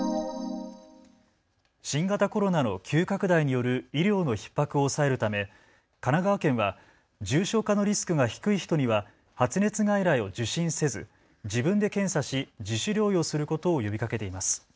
新型コロナの急拡大による医療のひっ迫を抑えるため神奈川県は重症化のリスクが低い人には発熱外来を受診せず自分で検査し自主療養することを呼びかけています。